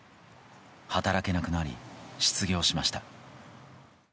働けなくなり失業しました。